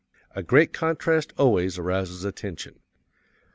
A great contrast always arouses attention.